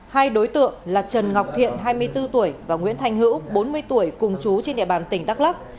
hai đối tượng là trần ngọc thiện hai mươi bốn tuổi và nguyễn thanh hữu bốn mươi tuổi cùng chú trên địa bàn tỉnh đắk lắc